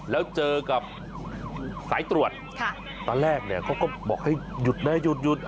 แล้วเจอกับสายตรวจตอนแรกเนี่ยเขาก็บอกให้หยุดนะหยุด